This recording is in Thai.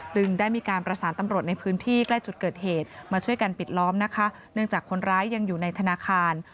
ได้มีการประสานตำรวจในพื้นที่ใกล้จุดเกิดเหตุมาช่วยกันปิดล้อมนะคะเนื่องจากคนร้ายยังอยู่ในธนาคาร